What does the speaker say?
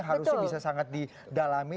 harusnya bisa sangat didalami